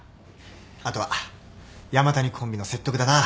あとは山谷コンビの説得だな。